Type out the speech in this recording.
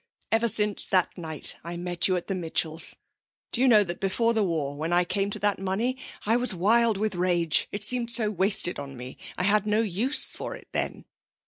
Ever since that night I met you at the Mitchells'. Do you know that before the war, when I came into that money, I was wild with rage. It seemed so wasted on me. I had no use for it then.